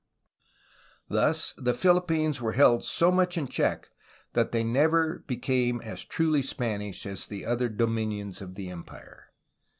Thus the PhiHppines were held so much in check that they never became as truly Spanish as the other dominions of the empire.